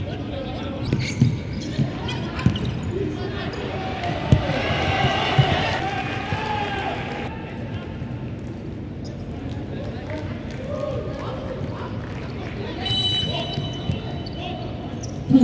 อัศวินธรรมชาติ